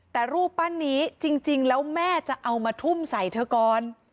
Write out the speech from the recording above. แต่รูปปั้นนี้จริงแล้วแม่จะเอามาทุ่มใส่เธอก่อน